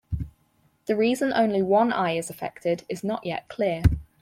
The reason only one eye is affected is not yet clear.